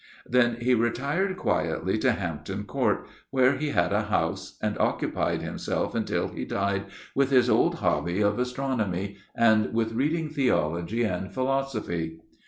Then he retired quietly to Hampton Court, where he had a house, and occupied himself until he died with his old hobby of Astronomy, and with reading Theology and Philosophy.